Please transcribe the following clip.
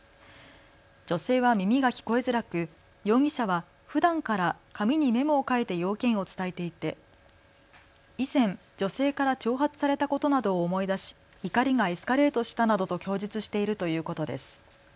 女性は耳が聞こえづらく容疑者はふだんから紙にメモを書いて要件を伝えていて以前、女性から挑発されたことなどを思い出し、怒りがエスカレートしたなどと供述しているということです。